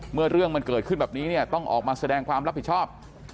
เมื่อเรื่องมันเกิดขึ้นแบบนี้เนี่ยต้องออกมาแสดงความรับผิดชอบ